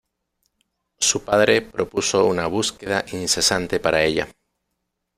Su padre propuso una búsqueda incesante para ella.